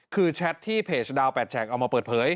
คือแชทที่เพจดาว๘แฉกเอามาเปิดเผย